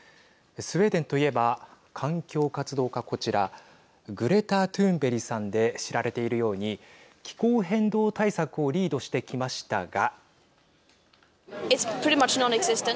スウェーデンといえば環境活動家、こちらグレタ・トゥーンベリさんで知られているように気候変動対策をリードしてきましたが。